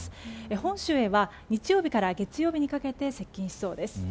本州へは日曜日から月曜日にかけて接近しそうです。